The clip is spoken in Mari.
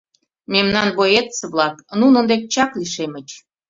Мемнан боец-влак нунын дек чак лишемыч.